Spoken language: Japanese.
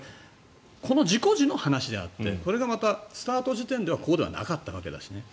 この事故時の話であってこれがまたスタート時点ではこうではなかったですしね。